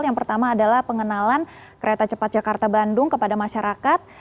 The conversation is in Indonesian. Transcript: yang pertama adalah pengenalan kereta cepat jakarta bandung kepada masyarakat